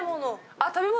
あっ食べ物？